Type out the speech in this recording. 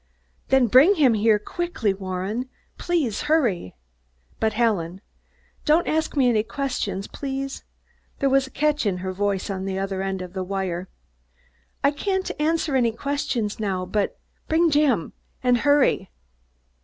"Then bring him here quickly, Warren! Please hurry." "But, Helen " "Don't ask me any questions, please." There was a catch in the voice on the other end of the wire. "I c can't answer any questions now, but bring Jim, and hurry!"